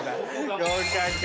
合格。